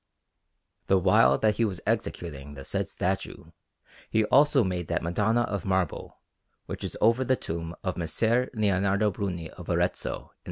The while that he was executing the said statue, he also made that Madonna of marble which is over the tomb of Messer Lionardo Bruni of Arezzo in S.